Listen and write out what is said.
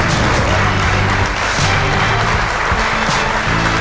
สวัสดีครับ